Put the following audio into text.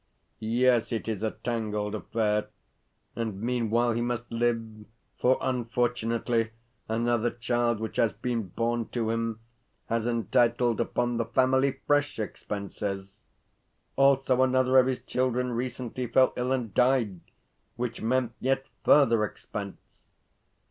Yes, it is a tangled affair, and meanwhile he must live, for, unfortunately, another child which has been born to him has entailed upon the family fresh expenses. Also, another of his children recently fell ill and died which meant yet further expense.